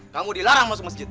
kamu dilarang masuk masjid